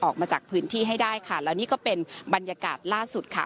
ออกมาจากพื้นที่ให้ได้ค่ะแล้วนี่ก็เป็นบรรยากาศล่าสุดค่ะ